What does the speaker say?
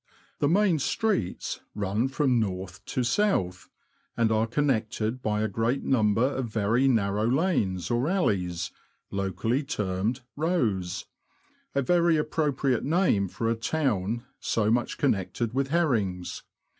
The main streets run from north to south, and are connected by a great number of very narrow lanes, or alleys, locally termed ''rows" — a very appropriate name for a town so much con nected with herrings.